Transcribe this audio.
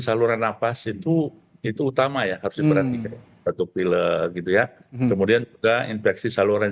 saluran nafas itu itu utama ya harus diperhatikan batuk pilek gitu ya kemudian juga infeksi saluran